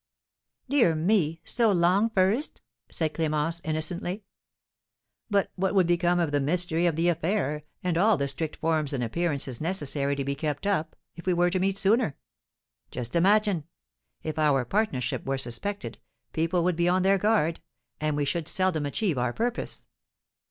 "Dear me! so long first?" said Clémence, innocently. "But what would become of the mystery of the affair, and all the strict forms and appearances necessary to be kept up, if we were to meet sooner? Just imagine! If our partnership were suspected, people would be on their guard, and we should seldom achieve our purpose.